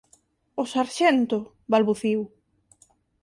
O sarxento! —balbuciu.